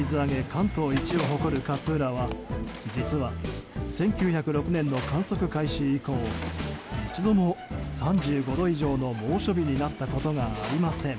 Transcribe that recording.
関東一を誇る勝浦は実は１９０６年の観測開始以降一度も３５度以上の猛暑日になったことがありません。